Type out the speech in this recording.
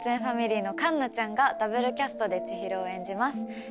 ファミリーの環奈ちゃんがダブルキャストで千尋を演じます。